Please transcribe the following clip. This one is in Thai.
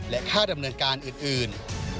และค่าดำเนินการอื่น